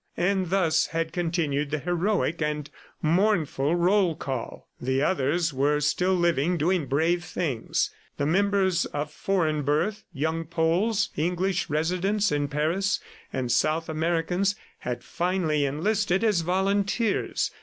And thus had continued the heroic and mournful roll call. The others were still living, doing brave things. The members of foreign birth, young Poles, English residents in Paris and South Americans, had finally enlisted as volunteers.